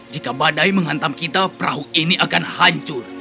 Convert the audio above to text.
jika badai menghantam kita perahu ini akan hancur